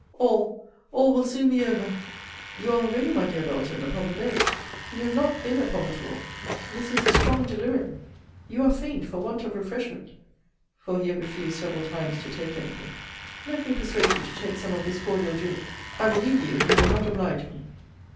All, all will soon be over! You are already, my dear Belton, upon the bed. You have not been upon the floor. This is a strong delirium; you are faint for want of refreshment [for he had refused several times to take any thing]: let me persuade you to take some of this cordial julap. I will leave you, if you will not oblige me.